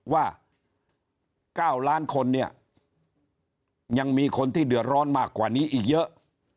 ว่า๙ล้านคนเนี่ยยังมีคนที่เดือดร้อนมากกว่านี้อีกเยอะ